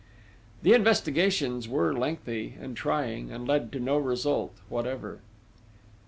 The investigations were lengthy and trying and led to no result whatever.